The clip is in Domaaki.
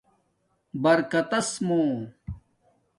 برکتس مُو